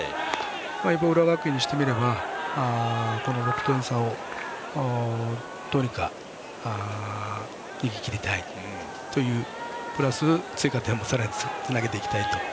一方、浦和学院にしてみれば６点差をどうにか逃げきりたいというプラス追加点もつなげていきたいと。